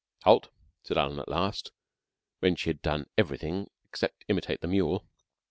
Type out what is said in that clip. "Halt!" said Alan at last, when she had done everything except imitate the mule.